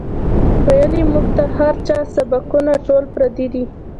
وئیلـي مونږ ته هـر چا سبقــونه ټول پردي دي